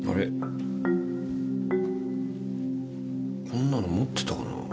こんなの持ってたかなぁ。